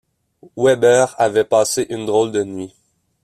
Weber avait passé une drôle de nuit.